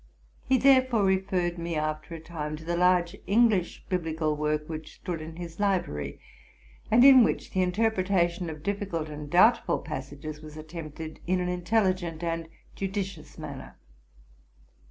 He therefore referred me, after a time, to the large English biblical work which stood in his library, and in which the interpretation of difficult and doubtful passages was attempted in an intelligent and judi cious manner.